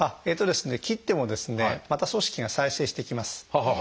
えっとですね切ってもですねまた組織が再生してきます。